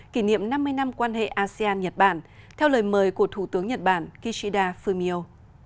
kỷ niệm năm mươi năm quan hệ asean nhật bản theo lời mời của thủ tướng nhật bản kishida fumio